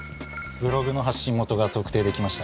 ブログの発信元が特定出来ました。